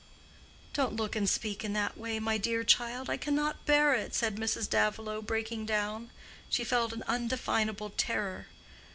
"Don't look and speak in that way, my dear child: I cannot bear it," said Mrs. Davilow, breaking down. She felt an undefinable terror.